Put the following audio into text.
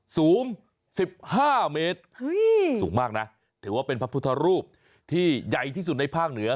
สูง๑๕เมตรสูงมากนะถือว่าเป็นพระพุทธรูปที่ใหญ่ที่สุดในภาคเหนือ